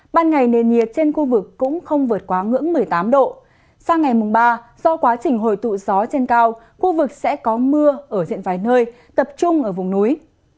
ban ngày nền nhiệt trên khu vực cũng không vượt quá ngưỡng một mươi tám độ sang ngày mùng ba do quá trình hồi tụ gió trên cao khu vực sẽ có mưa ở diện vài nơi tập trung ở vùng núi